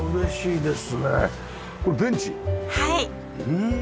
うん！